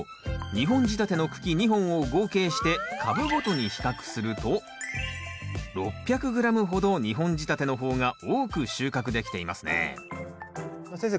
２本仕立ての茎２本を合計して株ごとに比較すると６００ｇほど２本仕立ての方が多く収穫できていますね先生